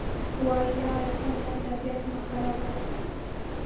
وایي یاره ته مو طبیعت مه راخرابوه.